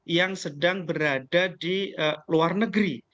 yang sedang berada di luar negeri